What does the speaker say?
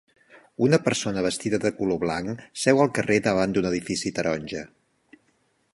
Una persona vestida de color blanc seu al carrer davant d'un edifici taronja.